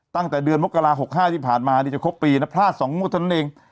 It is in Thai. ตั้งแต่เดือนมกรา๖๕ที่ผ่านมาจะครบปีนะพลาด๒งวดเท่านั้นเอง